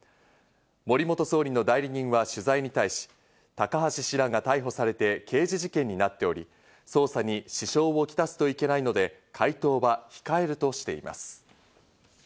森元総理の代理人は取材に対し、高橋氏らが逮捕されて刑事事件になっており、捜査に支障をきたすといけないので回答は控えるとしています。